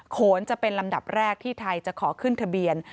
โขนจะเป็นลำดับแรกที่ไทยจะขอขึ้นทะเบียน